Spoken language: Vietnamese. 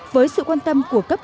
với sự quan tâm của cấp